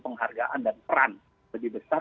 penghargaan dan peran lebih besar